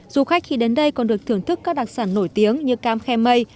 du khách khi đến đây còn được thưởng thức các đặc sản nổi tiếng như cam khe mây